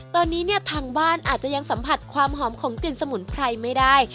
ตอนนี้เนี่ยทางบ้านอาจจะยังสัมผัสความหอมของกลิ่นสมุนไพรไม่ได้